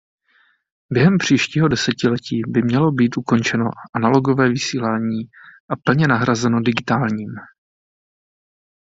Během příštího desetiletí by mělo být ukončeno analogové vysílání a plně nahrazeno digitálním.